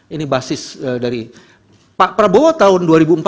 ini basis dari pak prabowo tahun dua ribu empat belas